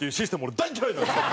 俺大嫌いなんですよ！